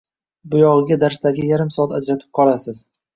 Uyog‘iga darslarga yarim soat ajratib qolasiz